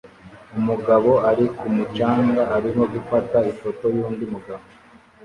Umugabo uri ku mucanga arimo gufata ifoto yundi mugabo